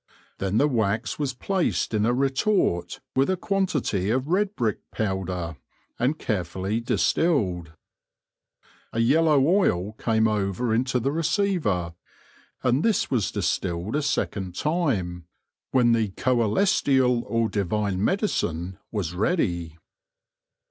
Then the wax was placed in a retort with a quantity of red brick powder, and carefully distilled. A yellow oil came over into the receiver, and this was distilled a second time, when the " Coelestiall or Divine medicine " was ready.